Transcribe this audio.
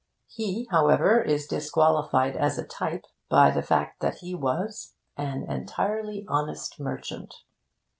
He, however, is disqualified as a type by the fact that he was 'an entirely honest merchant.'